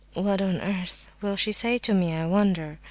"What on earth will she say to me, I wonder?"